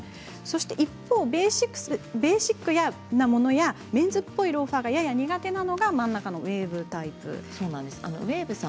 一方ベーシックなものやメンズっぽいローファーがやや苦手なのが真ん中のウエーブタイプです。